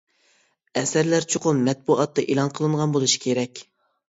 ئەسەرلەر چوقۇم مەتبۇئاتتا ئېلان قىلىنغان بولۇشى كېرەك.